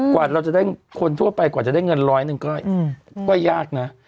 กว่าเราจะได้คนทั่วไปกว่าจะได้เงินร้อยหนึ่งก็ยากนะ